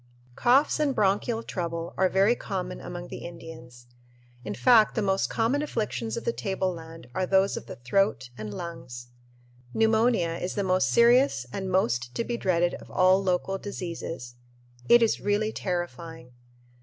Coughs and bronchial trouble are very common among the Indians. In fact, the most common afflictions of the tableland are those of the throat and lungs. Pneumonia is the most serious and most to be dreaded of all local diseases. It is really terrifying.